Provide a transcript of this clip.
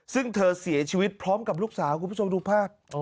ซึ่งเธอเสียชีวิตพร้อมกับลูกสาวคุณผู้ชมดูภาพ